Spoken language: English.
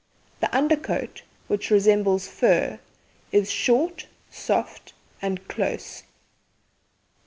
The under coat, which resembles fur, is short, soft, and close.